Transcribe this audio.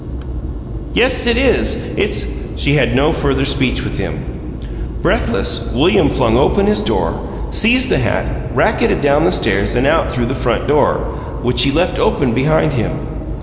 "Yes, it is. It's " She had no further speech with him. Breathless, William flung open his door, seized the hat, racketed down the stairs, and out through the front door, which he left open behind him.